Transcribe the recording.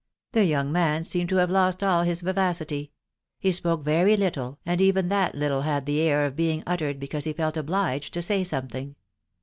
The young man seemed to have lost all his vivacity : he spoke very little, and even that little had the air of being uttered because he felt obliged to say something.